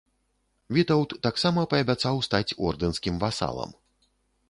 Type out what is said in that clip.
Вітаўт таксама паабяцаў стаць ордэнскім васалам.